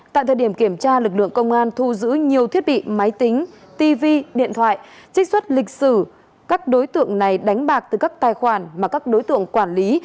tại thời điểm kiểm tra lực lượng công an thu giữ nhiều thiết bị máy tính tv điện thoại trích xuất lịch sử các đối tượng này đánh bạc từ các tài khoản mà các đối tượng quản lý